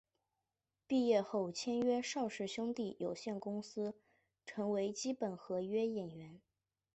毕业后签约邵氏兄弟有限公司成为基本合约演员。